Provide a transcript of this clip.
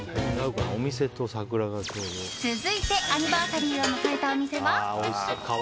続いてアニバーサリーを迎えたお店は。